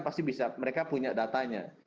pasti bisa mereka punya datanya